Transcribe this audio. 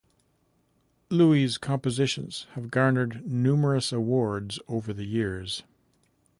Louie's compositions have garnered numerous awards over the years.